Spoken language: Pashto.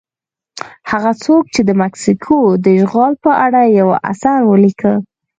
هغه څوک چې د مکسیکو د اشغال په اړه یو اثر ولیکه.